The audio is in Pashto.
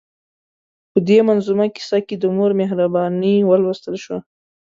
په دې منظومه کیسه کې د مور مهرباني ولوستل شوه.